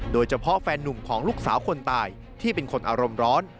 โดยเฉพาะแฟนนุ่มของลูกสาวคนตายที่เป็นคนอารมณ์ร้อน